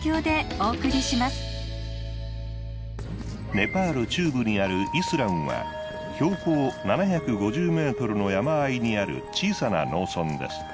ネパール中部にあるイスランは標高７５０ｍの山あいにある小さな農村です。